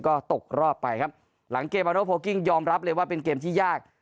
ก็ตกรอบไปครับหลังเกมมาโนโพลกิ้งยอมรับเลยว่าเป็นเกมที่ยาก